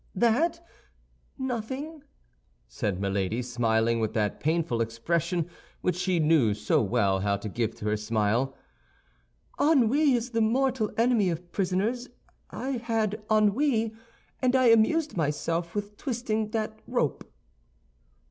"That? Nothing," said Milady, smiling with that painful expression which she knew so well how to give to her smile. "Ennui is the mortal enemy of prisoners; I had ennui, and I amused myself with twisting that rope."